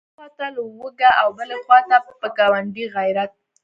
یوې خواته لوږه او بلې خواته په ګاونډي غیرت.